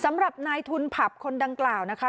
สำหรับนายทุนผับคนดังกล่าวนะคะ